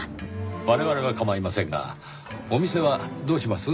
我々は構いませんがお店はどうします？